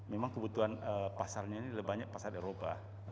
memang kebutuhan pasarnya ini lebih banyak pasar eropa